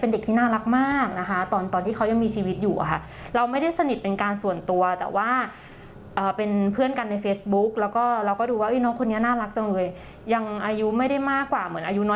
เสียดายแทนครอบครัวเขาด้วย